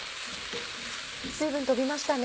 水分とびましたね。